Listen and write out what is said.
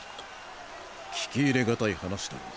聞き入れ難い話だろう